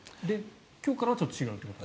今日からはちょっと違うということ。